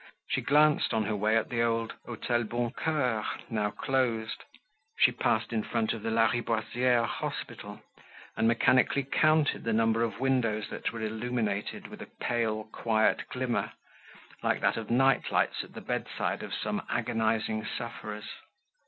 She glanced on her way at the old Hotel Boncoeur, now closed. She passed in front of the Lariboisiere Hospital, and mechanically counted the number of windows that were illuminated with a pale quiet glimmer, like that of night lights at the bedside of some agonizing sufferers.